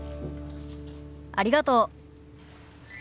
ありがとう。